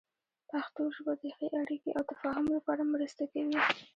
پښتو ژبه د ښې اړیکې او تفاهم لپاره مرسته کوي.